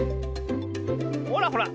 ほらほら